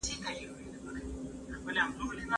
نن ورځ د سياسي بهير اصلي ځواک له ولس سره دی.